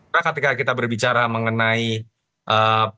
karena ketika kita berbicara mengenai pertanyaan pak prabowo